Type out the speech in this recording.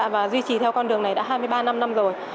và duy trì theo con đường này đã hai mươi ba năm năm rồi